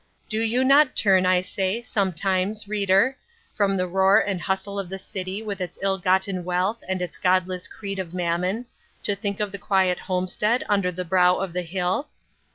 Do you not turn, I say, sometimes, reader, from the roar and hustle of the city with its ill gotten wealth and its godless creed of mammon, to think of the quiet homestead under the brow of the hill?